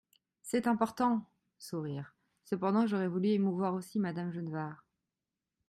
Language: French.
C’est important ! (Sourires.) Cependant, j’aurais voulu émouvoir aussi Madame Genevard.